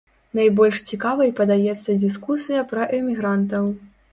Найбольш цікавай падаецца дыскусія пра эмігрантаў.